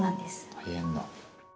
大変だ。